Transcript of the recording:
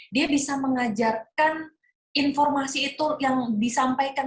dia bisa mengajarkan informasi itu yang disampaikan